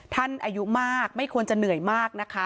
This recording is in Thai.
อายุมากไม่ควรจะเหนื่อยมากนะคะ